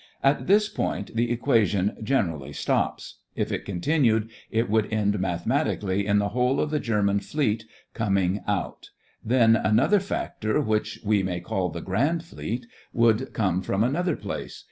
At this point, the equation generally stops; if it continued, it would end mathematically in the whole of the German Fleet coming THE FRINGES OF THE FLEET 89 out. Then another factor which we may call the Grand Fleet would come from another place.